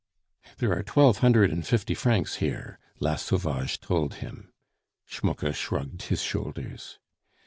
"There are twelve hundred and fifty francs here," La Sauvage told him. Schmucke shrugged his shoulders.